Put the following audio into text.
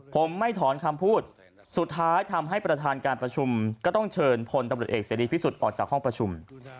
ผมไม่ถอนคำพูดสุดท้ายทำให้ประธานการประชุมก็ต้องเชิญพลตำรวจเอกเสรีพิสุทธิ์ออกจากห้องประชุม